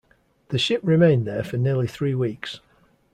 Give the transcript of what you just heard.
The ship remained there for nearly three weeks.